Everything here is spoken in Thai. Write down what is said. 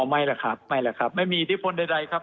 ไม่แหละครับไม่มีอีทธิพลใดครับ